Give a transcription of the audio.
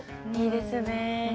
いいですね。